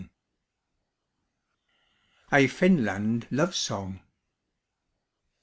A FINLAND LOVE SONG.